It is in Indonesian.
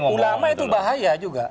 ulama itu bahaya juga